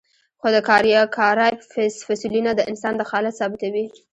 خو د کارایب فسیلونه د انسان دخالت ثابتوي.